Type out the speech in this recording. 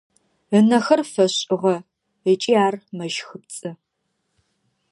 Ынэхэр фэшӏыгъэ ыкӏи ар мэщхыпцӏы.